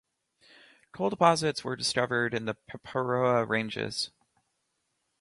Coal deposits were discovered in the Paparoa Ranges.